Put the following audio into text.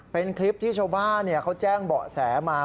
เป็นคลิปที่ชาวบ้านเขาแจ้งเบาะแสมา